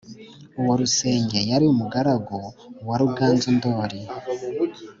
uwo rusenge yari umugaragu wa ruganzu ndori